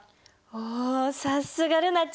おおさすが瑠菜ちゃん。